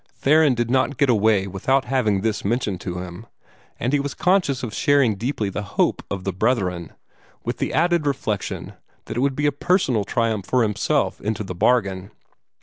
Theron did not get away without having this mentioned to him, and he was conscious of sharing deeply the hope of the brethren with the added reflection that it would be a personal triumph for himself into the bargain.